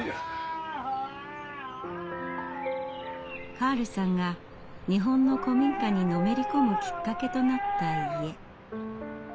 カールさんが日本の古民家にのめり込むきっかけとなった家。